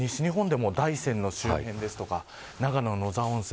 西日本でも、大山の周辺ですとか長野の野沢温泉